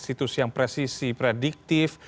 institusi yang presisi prediktif